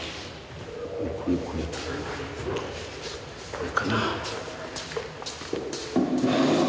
これかな。